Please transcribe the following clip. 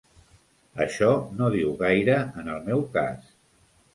Això no diu gaire en el meu cas.